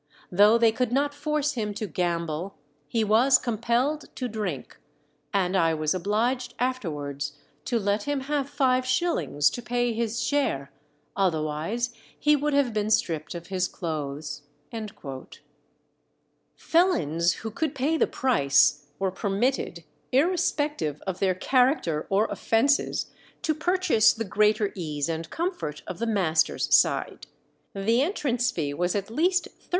Though they could not force him to gamble, he was compelled to drink, and I was obliged afterwards to let him have five shillings to pay his share, otherwise he would have been stripped of his clothes." Felons who could pay the price were permitted, irrespective of their character or offences, to purchase the greater ease and comfort of the master's side. The entrance fee was at least 13_s.